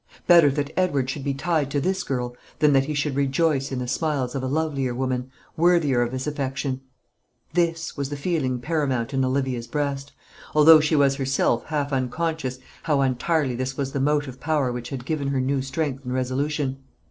Better that Edward should be tied to this girl, than that he should rejoice in the smiles of a lovelier woman, worthier of his affection. This was the feeling paramount in Olivia's breast, although she was herself half unconscious how entirely this was the motive power which had given her new strength and resolution.